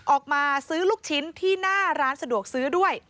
ออกมาซื้อลูกชิ้นที่หน้าร้านสะดวกซื้อด้วย